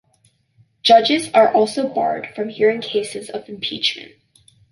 Judges are also barred from hearing cases of impeachment.